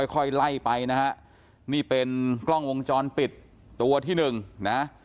ค่อยไล่ไปนะฮะนี่เป็นกล้องวงจรปิดตัวที่หนึ่งนะ